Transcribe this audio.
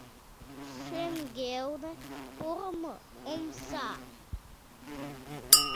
Шеҥгелне пурымо омса.